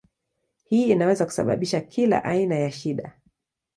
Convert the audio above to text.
Hii inaweza kusababisha kila aina ya shida.